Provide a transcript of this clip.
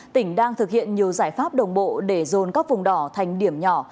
tỉnh đang thực hiện nhiều giải pháp đồng bộ để dồn các vùng đỏ thành điểm nhỏ